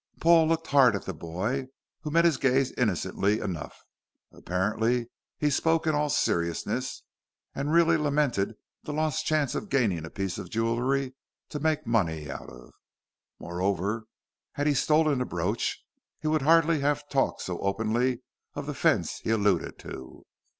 Paul looked hard at the boy, who met his gaze innocently enough. Apparently he spoke in all seriousness, and really lamented the lost chance of gaining a piece of jewellery to make money out of. Moreover, had he stolen the brooch, he would hardly have talked so openly of the fence he alluded to.